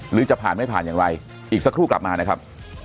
หรือจะผ่านไม่ผ่านอย่างไรอีกสักครู่กลับมานะครับ